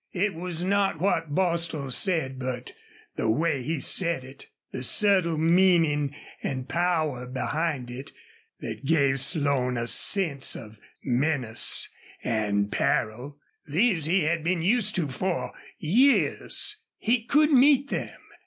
It was not what Bostil said, but the way he said it, the subtle meaning and power behind it, that gave Slone a sense of menace and peril. These he had been used to for years; he could meet them.